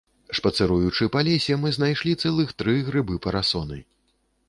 Шпацыруючы па лесе, мы знайшлі цэлых тры грыбы-парасоны!